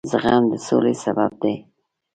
زغم د سولې سبب دی.